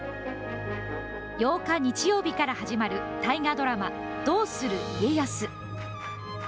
８日、日曜日から始まる大河ドラマ、どうする家康。